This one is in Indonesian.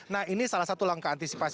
nah ini salah satu langkah antisipasi